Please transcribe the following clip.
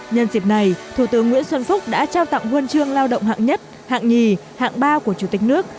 nhân dịp này thủ tướng nguyễn xuân phúc đã trao tặng huân chương lao động hạng nhất hạng nhì hạng ba của chủ tịch nước